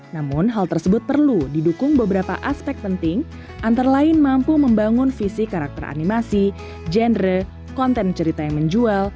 namun hal tersebut perlu didukung beberapa aspek penting antara lain mampu membangun visi karakter animasi genre konten cerita yang menjual